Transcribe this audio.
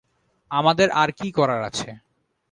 আমাদের আর কী করার আছে?